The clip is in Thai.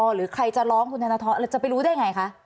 หรือใครจะร้องท่านธรรมนั่นไปรู้ได้อย่างไรคะ